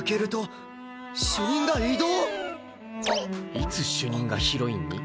いつ主任がヒロインに？